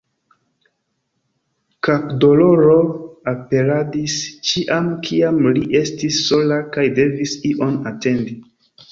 Kapdoloro aperadis ĉiam kiam li estis sola kaj devis ion atendi.